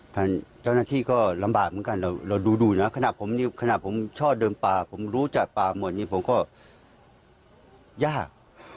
เจ้าหน้าที่ก็ลำบากเหมือนกันเราดูนะขณะผมชอบเดินป่าผมรู้จากป่าหมดนี้ผมก็ยาก